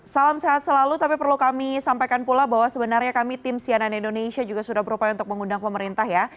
salam sehat selalu tapi perlu kami sampaikan pula bahwa sebenarnya kami tim cnn indonesia juga sudah berupaya untuk mengundang pemerintah ya